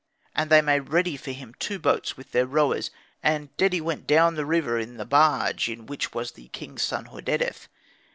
And they made ready for him two boats with their rowers. And Dedi went down the river in the barge in which was the king's son Hordedef.